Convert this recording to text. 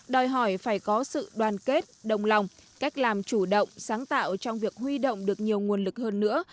đòi hỏi phải có sự đoàn kết đồng lòng cách làm chủ động sáng tạo trong việc huy động được nhiều nguồn lực hơn nữa